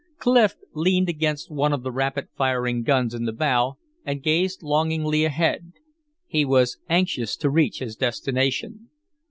Clif leaned against one of the rapid firing guns in the bow and gazed longingly ahead; he was anxious to reach his destination.